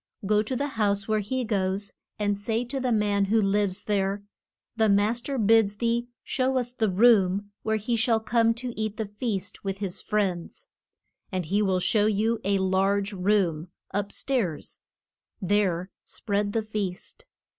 Go to the house where he goes, and say to the man who lives there, The mas ter bids thee show us the room where he shall come to eat the feast with his friends. And he will show you a large room, up stairs; there spread the feast.